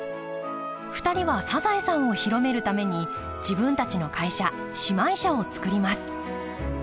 ２人は「サザエさん」を広めるために自分たちの会社姉妹社を作ります。